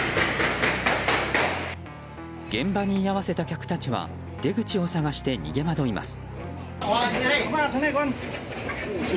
現場に居合わせた客たちは出口を探して逃げ回ります。